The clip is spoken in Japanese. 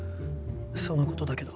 そのことだけど。